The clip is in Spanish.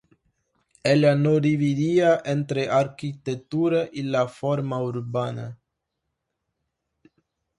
Ella no dividía entre arquitectura y la forma urbana.